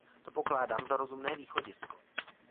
To pokládám za rozumné východisko.